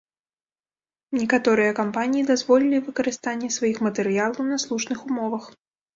Некаторыя кампаніі дазволілі выкарыстанне сваіх матэрыялаў на слушных умовах.